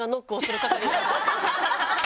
ハハハハ！